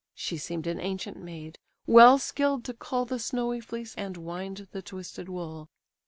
(She seem'd an ancient maid, well skill'd to cull The snowy fleece, and wind the twisted wool.)